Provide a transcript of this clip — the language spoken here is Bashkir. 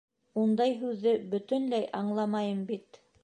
Ундай һүҙҙе бөтөнләй аңламайым бит.